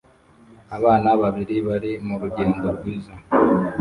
Abana babiri bari murugendo rwiza